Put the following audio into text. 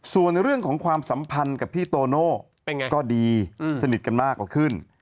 ส่วนเรื่องของความสัมพันธ์กับพี่โตโน่ก็ดีสนิทกันมากกว่าขึ้น